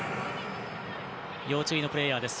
要注意のプレーヤーです。